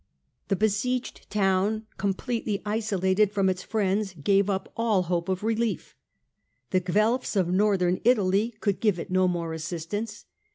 The besieged town, completly isolated from its friends, gave up all hope of relief. The Guelfs of Northern Italy could give it no more assistance.